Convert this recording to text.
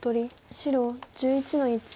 白１１の一。